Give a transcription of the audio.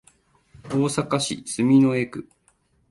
大阪市住之江区